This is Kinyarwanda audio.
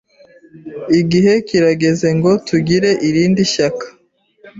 Igihe kirageze ngo tugire irindi shyaka.